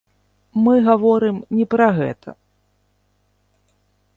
Мы гаворым не пра гэта!